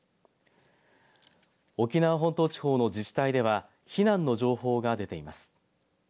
沖縄本島地方の自治体では避難の情報が出ています。